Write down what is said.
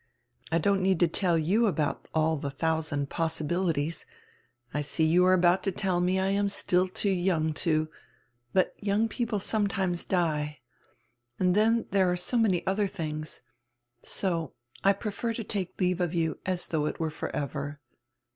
I don't need to tell you all die thousand possibilities — I see you are about to tell me I am still too young to — but young people sometimes die. And then there are so many other tilings. So I prefer to take leave of you as though it were forever."